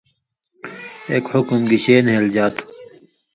ایک حُکُم گِشے نھیلژا تھُو